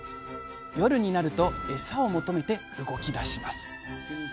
夜になるとエサを求めて動きだします。